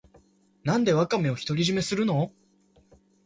なんでワカメを独り占めするの